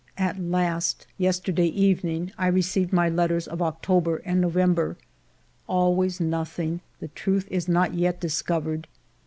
At last, yesterday evening, I received my letters of October and November. Always nothing : the truth is not yet discovered.